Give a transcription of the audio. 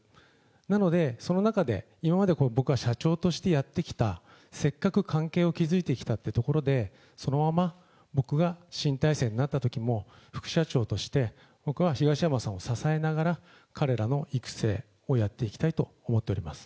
なので、その中で、今まで僕が社長としてやってきた、せっかく関係を築いてきたってところで、そのまま僕が新体制になったときも、副社長として、僕は東山さんを支えながら、彼らの育成をやっていきたいと思っております。